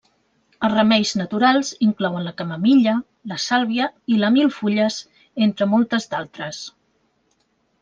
Els remeis naturals inclouen la camamilla, la sàlvia i la milfulles entre moltes d'altres.